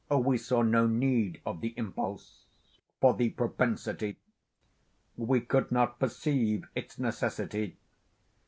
We saw no need of the impulse—for the propensity. We could not perceive its necessity.